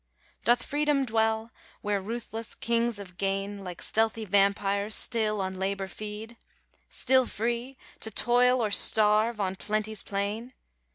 Doth Freedom dwell where ruthless Kings of gain, Like stealthy vampires, still on Labour feed, Still free—to toil or starve on plenty's plain?